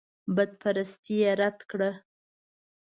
بتپرستي یې رد کړه.